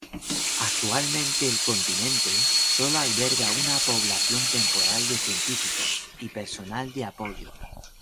Actualmente el continente sólo alberga una población temporal de científicos y personal de apoyo.